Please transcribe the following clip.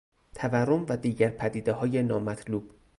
تورم و دیگر پدیدههای نامطلوب